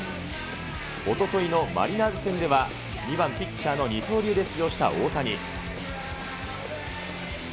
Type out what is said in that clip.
おとといのマリナーズ戦では、２番ピッチャーの二刀流で出場した大谷。